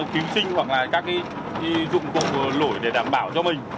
cứu sinh hoặc là các dụng cục lỗi để đảm bảo cho mình